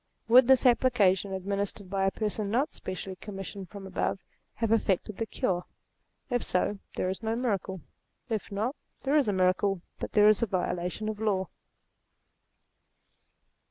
Would this application, administered by a person not spe cially commissioned from above, have effected the cure ? If so, there is no miracle ; if not, there is a miracle, but there is a violation of law.